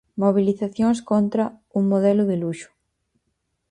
Mobilizacións contra "un modelo de luxo".